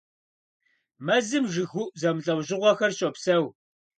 Мэзым жыгыуӀу зэмылӀэужьыгъуэхэр щопсэу.